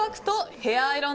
ヘアアイロン。